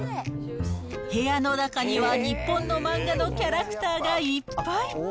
部屋の中には日本の漫画のキャラクターがいっぱい。